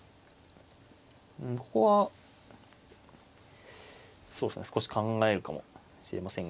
ここはそうですね少し考えるかもしれませんが。